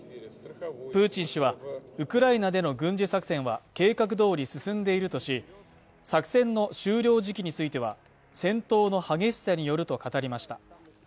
プーチン氏はウクライナでの軍事作戦は計画どおり進んでいるとし作戦の終了時期については戦闘の激しさによると語りました